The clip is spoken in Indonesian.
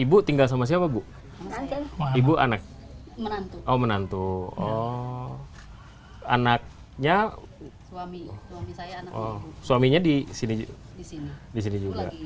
ibu tinggal sama siapa bu ibu anak anak menantu oh anaknya suaminya di sini sini